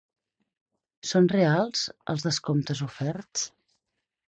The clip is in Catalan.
Són reals els descomptes oferts?